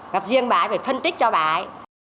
gặp riêng bà phải phân tích cho bà ấy